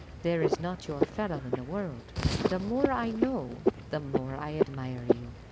there is not your fellow in the world; the more I know, the more I admire you."